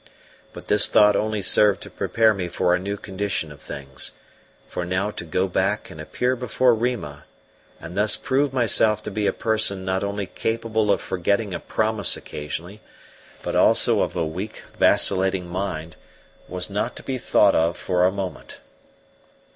But this thought only served to prepare me for a new condition of things; for now to go back and appear before Rima, and thus prove myself to be a person not only capable of forgetting a promise occasionally, but also of a weak, vacillating mind, was not to be thought of for a moment.